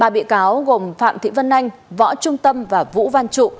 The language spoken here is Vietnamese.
ba bị cáo gồm phạm thị vân anh võ trung tâm và vũ văn trụ